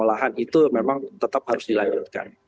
lahan itu memang tetap harus dilanjutkan